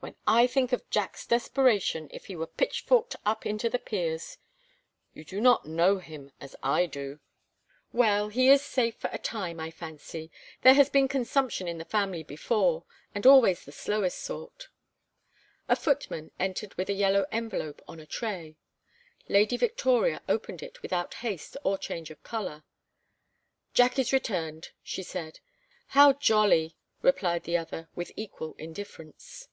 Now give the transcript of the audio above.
When I think of Jack's desperation if he were pitchforked up into the Peers you do not know him as I do." "Well, he is safe for a time, I fancy. There has been consumption in the family before, and always the slowest sort " A footman entered with a yellow envelope on a tray. Lady Victoria opened it without haste or change of color. "Jack is returned," she said. "How jolly," replied the other, with equal indifference.